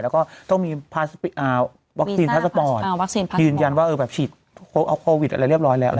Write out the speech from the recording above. แล้วก็ต้องมีวัคซีนพาสปอร์ตยืนยันว่าฉีดเอาโควิดอะไรเรียบร้อยแล้ว